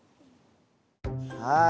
はい。